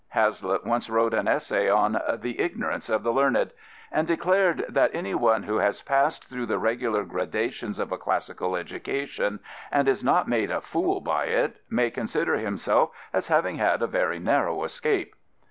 Hazlitt once wrote an essay on " The Ignorance of the Learned,'* and declared that " anyone who has passed through the regular gradations of a classical education and is not made a fool by it, may consider himself as having had a very narrow escape."